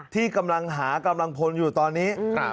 ที่กำลังหากำลังพลอยู่ตอนนี้